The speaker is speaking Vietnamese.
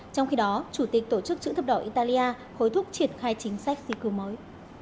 trong khi đó chủ tịch tổ chức chữ thập đỏ italia hối thúc triển khai chính sách di cư mới